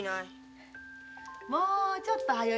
もうちょっとはよ